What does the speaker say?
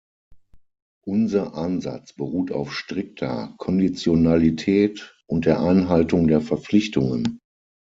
Unser Ansatz beruht auf strikter Konditionalität und der Einhaltung der Verpflichtungen.